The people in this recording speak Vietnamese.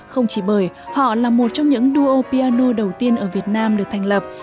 không chỉ bởi họ là một trong những đua piano đầu tiên ở việt nam được thành lập